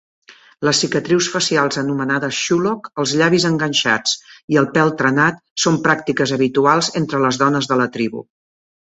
Les cicatrius facials anomenades Shoulokh, els llavis enganxats i el pèl trenat són pràctiques habituals entre les dones de la tribu.